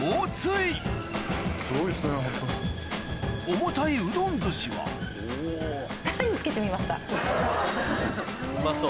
重たいうどん寿司はうまそう。